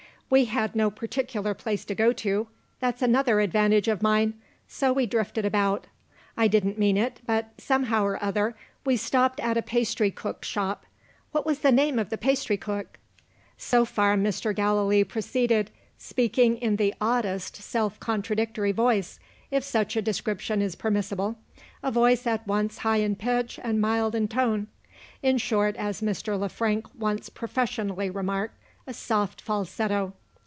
We had no particular place to go to that's another advantage of mine so we drifted about. I didn't mean it, but, somehow or other, we stopped at a pastry cook's shop. What was the name of the pastry cook?" So far Mr. Gallilee proceeded, speaking in the oddest self contradictory voice, if such a description is permissible a voice at once high in pitch and mild in tone: in short, as Mr. Le Frank once professionally remarked, a soft falsetto.